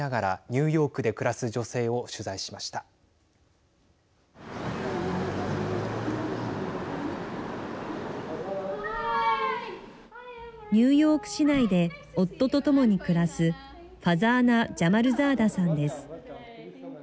ニューヨーク市内で夫とともに暮らすファザーナ・ジャマルザーダさんです。